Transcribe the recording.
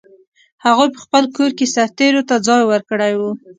هغوی په خپل کور کې سرتېرو ته ځای ورکړی و.